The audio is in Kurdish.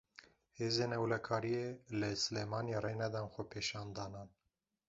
Hêzên Ewlekarî, li Silêmaniyê rê nedan xwepêşandanan